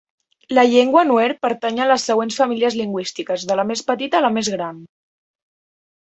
La llengua nuer pertany a les següents famílies lingüístiques, de la més petita a la més gran.